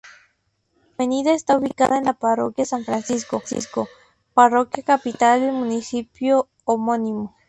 La avenida está ubicada en la parroquia San Francisco, parroquia capital del municipio homónimo.